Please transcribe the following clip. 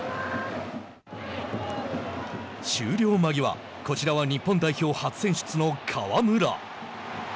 終了間際こちらは日本代表初選出の川村。